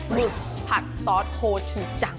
หมึกผักซอสโฮชูจัง